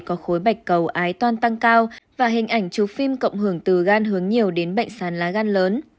có khối bạch cầu ái toan tăng cao và hình ảnh chú phim cộng hưởng từ gan hướng nhiều đến bệnh sán lá gan lớn